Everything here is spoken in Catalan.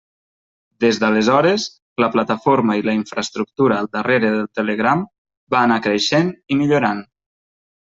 Des d'aleshores, la plataforma i la infraestructura al darrere del Telegram va anar creixent i millorant.